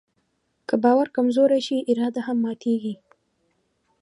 که باور کمزوری شي، اراده هم ماتيږي.